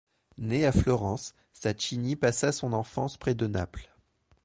Né à Florence, Sacchini passa son enfance près de Naples.